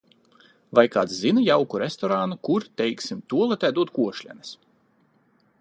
Vai kāds zina jauku restorānu kur, teiksim, tualetē dod košļenes?